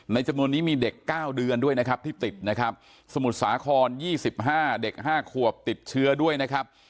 จำนวนนี้มีเด็ก๙เดือนด้วยนะครับที่ติดนะครับสมุทรสาคร๒๕เด็ก๕ขวบติดเชื้อด้วยนะครับ